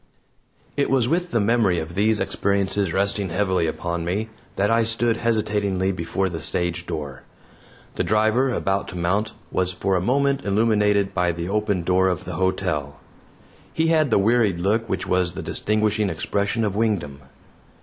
It was with the memory of these experiences resting heavily upon me that I stood hesitatingly before the stage door. The driver, about to mount, was for a moment illuminated by the open door of the hotel. He had the wearied look which was the distinguishing expression of Wingdam.